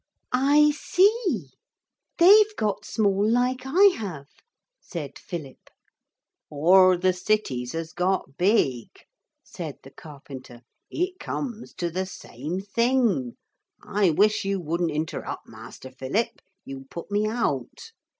'I see. They've got small, like I have,' said Philip. 'Or the cities has got big,' said the carpenter; 'it comes to the same thing. I wish you wouldn't interrupt, Master Philip. You put me out.'